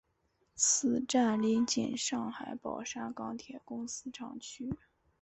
此站邻近上海宝山钢铁公司厂区。